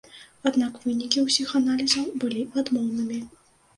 Аднак вынікі ўсіх аналізаў былі адмоўнымі.